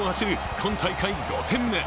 今大会５点目。